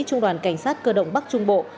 trung đoàn cảnh sát cơ động bắc trung bộ